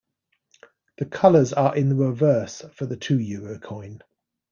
The colours are in the reverse for the two euro coin.